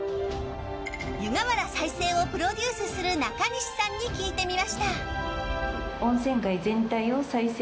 湯河原再生をプロデュースする中西さんに聞いてみました。